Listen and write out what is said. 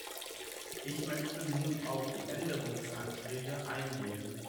Ich möchte nun auf die Änderungsanträge eingehen.